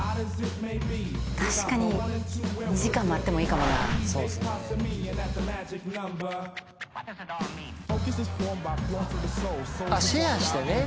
確かに２時間待ってもいいかもなそうですねあシェアしてね